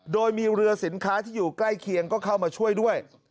โดยมีเรือสินค้าที่อยู่ใกล้เคียงก็เข้ามาช่วยด้วย